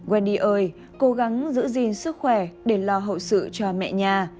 wendy ơi cố gắng giữ gìn sức khỏe để lo hậu sự cho mẹ nhà